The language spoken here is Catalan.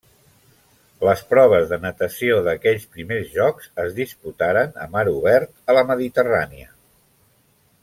Els proves de natació d'aquells primers jocs es disputaren a mar obert, a la Mediterrània.